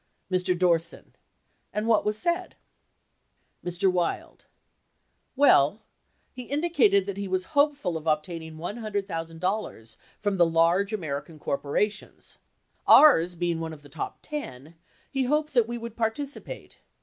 Mr. Dorset*. And what was said ? Mr. Wild. Well, he indicated that he was hopeful of ob taining $100,000 from the large American corporations. Ours being one of the top 10, he hoped that we would participate.